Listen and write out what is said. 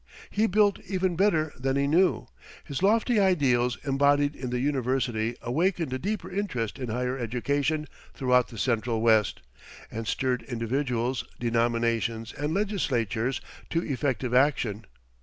He built even better than he knew. His lofty ideals embodied in the university awakened a deeper interest in higher education throughout the Central West, and stirred individuals, denominations, and legislatures to effective action.